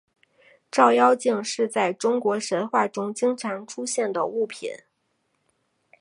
照妖镜是在中国神话中经常出现的物品。